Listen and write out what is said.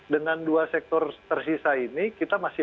dengan dua sektor tersisa ini kita masih